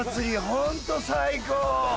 ホント最高。